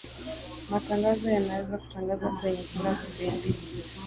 matangazo yanaweza kutangazwa kwenye kila kipindi